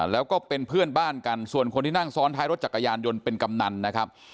แล้วก็เป็นเพื่อนบ้านกันส่วนคนที่นั่งซ้อนท้ายรถจักรยานยนต์เป็นกำนันนะครับ